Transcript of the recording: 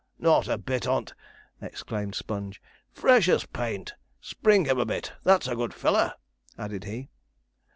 'Not a bit on't!' exclaimed Sponge; 'fresh as paint! Spring him a bit, that's a good fellow!' added he.